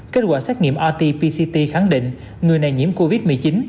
kết quả xét nghiệm rt pct khẳng định người này nhiễm covid một mươi chín